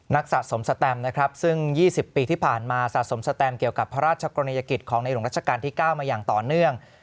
สะสมสแตมนะครับซึ่ง๒๐ปีที่ผ่านมาสะสมสแตมเกี่ยวกับพระราชกรณียกิจของในหลวงรัชกาลที่๙มาอย่างต่อเนื่อง